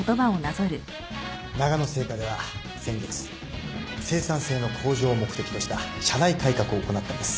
ながの製菓では先月生産性の向上を目的とした社内改革を行ったんです。